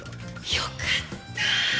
よかったあ！